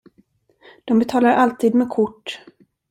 De betalar alltid med kort.